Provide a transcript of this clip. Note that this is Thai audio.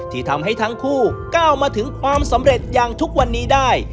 ที่ทำให้ทั้งคู่ก้าวมาถึงความสำเร็จอย่างทุกวันนี้ได้